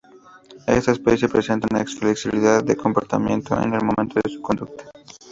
Esta especie presenta una flexibilidad de comportamiento en el momento de su conducta.